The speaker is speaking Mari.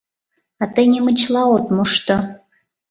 А тый немычла от мошто.